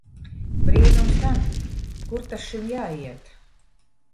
Brīnums gan! Kur ta šim jāiet!